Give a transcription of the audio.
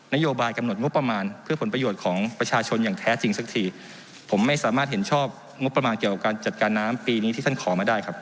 โยบายกำหนดงบประมาณเพื่อผลประโยชน์ของประชาชนอย่างแท้จริงสักทีผมไม่สามารถเห็นชอบงบประมาณเกี่ยวกับการจัดการน้ำปีนี้ที่ท่านขอมาได้ครับ